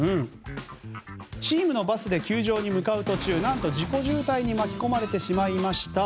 チームのバスで球場に向かう途中何と、事故渋滞に巻き込まれてしまいました。